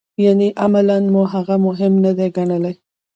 یعنې عملاً مو هغه مهم نه دی ګڼلی.